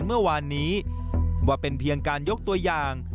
เมื่อวานนี้ว่าเป็นเพียงการยกตัวอย่าง